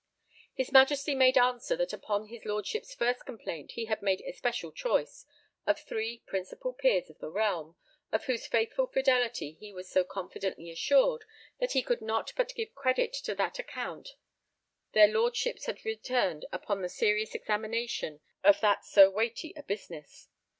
His Majesty made answer that upon his Lordship's first complaint he had made especial choice of three principal peers of the realm, of whose faithful fidelity he was so confidently assured that he could not but give credit to that account their Lordships had returned upon the serious examination of that so weighty a business.